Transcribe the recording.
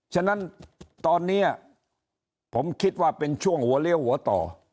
ฉะนั้นตอนนี้ผมคิดว่าเป็นช่วงหัวเลี้ยวหัวต่อ